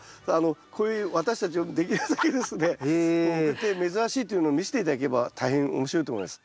こういう私たちにできるだけですね送って珍しいというのを見せて頂ければ大変面白いと思います。